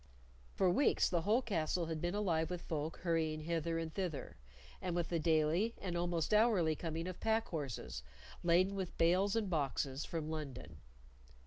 For weeks the whole castle had been alive with folk hurrying hither and thither; and with the daily and almost hourly coming of pack horses, laden with bales and boxes, from London.